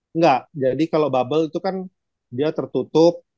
enggak jadi kalau bubble itu kan dia tertutup